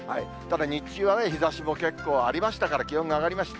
日中は日ざしも結構ありましたから、気温が上がりました。